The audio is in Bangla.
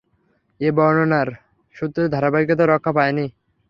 এ বর্ণনার সূত্রে ধারাবাহিকতা রক্ষা পায়নি।